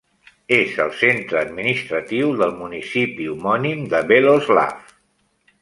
És el centre administratiu del municipi homònim de Beloslav.